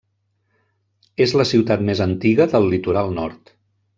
És la ciutat més antiga del litoral nord.